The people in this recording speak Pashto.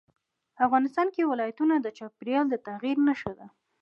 افغانستان کې ولایتونه د چاپېریال د تغیر نښه ده.